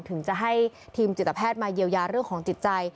ถึงจะให้ทีมจิตแพทย์มาเยียวยาเรื่องของจิตใจ